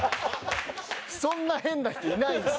そんな変な人いないです。